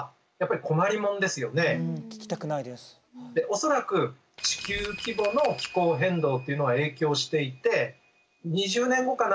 恐らく地球規模の気候変動というのが影響していて２０年後かな？